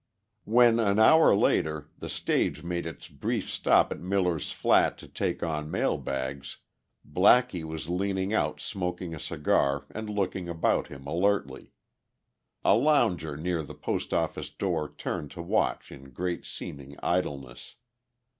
When, an hour later, the stage made its brief stop in Miller's Flat to take on mail bags Blackie was leaning out smoking a cigar and looking about him alertly. A lounger near the post office door turned to watch in great seeming idleness.